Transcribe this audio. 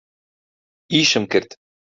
ئیشم کرد.